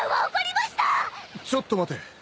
ちょっと待て。